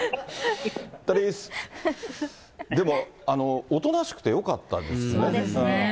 でも、おとなしくてよかったんでそうですね。